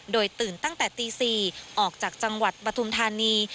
โดยตื่นตั้งแต่ตี๔ออกจากจังหวัดปฐุมธานี